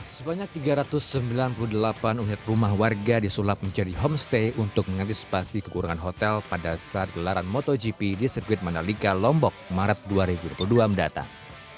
sebanyak tiga ratus sembilan puluh delapan unit rumah warga disulap menjadi homestay untuk mengantisipasi kekurangan hotel pada saat gelaran motogp di sirkuit mandalika lombok maret dua ribu dua puluh dua mendatang